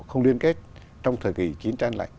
không liên kết trong thời kỳ chiến tranh lạnh